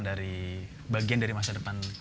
dari bagian dari masa depan